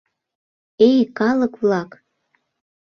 Эй, калык-влак!